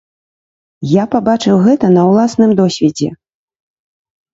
Я пабачыў гэта на ўласным досведзе.